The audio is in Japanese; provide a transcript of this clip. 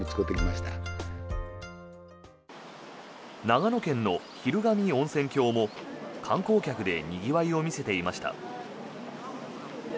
長野県の昼神温泉郷も観光客でにぎわいを見せていました。